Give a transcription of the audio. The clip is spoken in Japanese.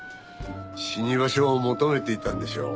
死に場所を求めていたんでしょう。